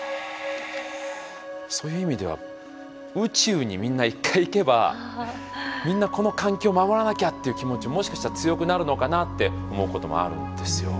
そういう意味では宇宙にみんな一回行けばみんなこの環境を守らなきゃっていう気持ちもしかしたら強くなるのかなって思うこともあるんですよ。